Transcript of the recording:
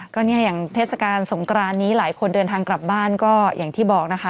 ก็เนี่ยอย่างเทศกาลสงกรานนี้หลายคนเดินทางกลับบ้านก็อย่างที่บอกนะคะ